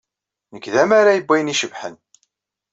Nekk d amaray n wayen icebḥen.